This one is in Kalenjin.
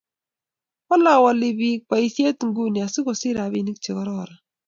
Wala wali biik poisyet nguni asigosich rapisyek che kororon.